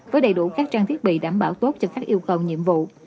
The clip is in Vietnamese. với đầy đủ các trang thiết bị đảm bảo tốt cho các yêu cầu nhiệm vụ